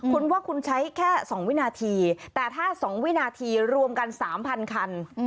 คุณว่าคุณใช้แค่๒วินาทีแต่ถ้า๒วินาทีรวมกัน๓๐๐คัน